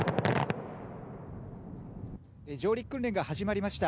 上陸訓練が始まりました。